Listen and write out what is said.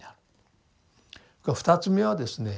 ２つ目はですね